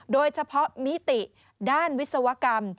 โดยเฉพาะมิติด้านวิศวกรรม